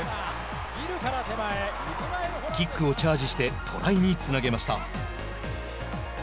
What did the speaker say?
キックをチャージしてトライにつなげました。